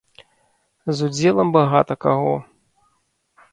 З удзелам багата каго.